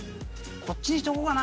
こっちにしとこうかな？